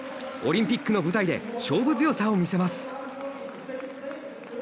オリンピックの舞台で勝負強さを見せます。